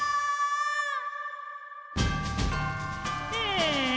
え